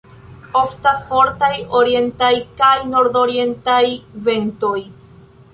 Oftas fortaj orientaj kaj nordorientaj ventoj.